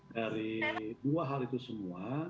dari dua hal itu semua